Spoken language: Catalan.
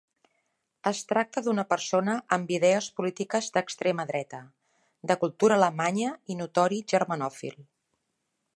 Es tracta d'una persona amb idees polítiques d'extrema dreta, de cultura alemanya i notori germanòfil.